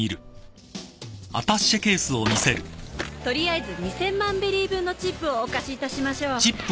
取りあえず２，０００万ベリー分のチップをお貸しいたしましょう。